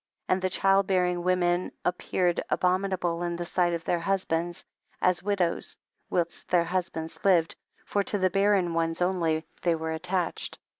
22. And the child bearing women appeared abominable in the sight of their husbands, as widows, whilst their husbands lived, for to the bar ren ones only they were attached.